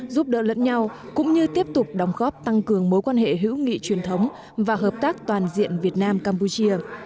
giúp đỡ lẫn nhau cũng như tiếp tục đóng góp tăng cường mối quan hệ hữu nghị truyền thống và hợp tác toàn diện việt nam campuchia